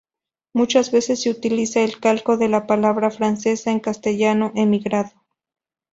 Muchas veces se utiliza el calco de la palabra francesa en castellano: emigrado.